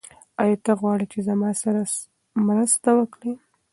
آیا ته غواړې چې زما سره مرسته وکړې؟